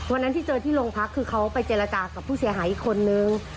วันนั้นที่เจอที่โรงพักคือเขาไปเจรจากับผู้เสียหายอีกคนนึง